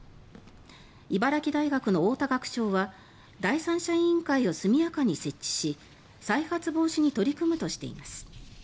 茨城大学の太田学長は第三者委員会を速やかに設置し再発防止に取り組むとしています。